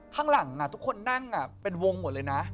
ข้างหลังทุกคนนั่งเป็นวงหมดเลยนะ